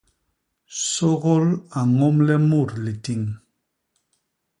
Sôgôl a ñômle mut litiñ.